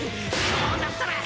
こうなったら！